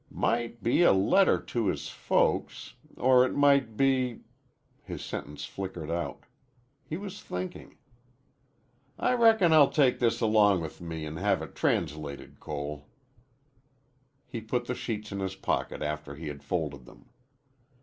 "Might be a letter to his folks or it might be " His sentence flickered out. He was thinking. "I reckon I'll take this along with me an' have it translated, Cole." He put the sheets in his pocket after he had folded them.